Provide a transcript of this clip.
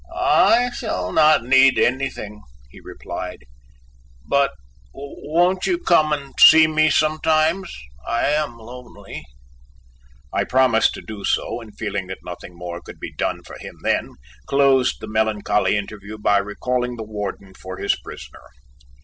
"I shall not need anything," he replied, "but won't you come and see me sometimes? I am lonely." I promised to do so, and feeling that nothing more could be done for him then, closed the melancholy interview by recalling the warden for his prisoner.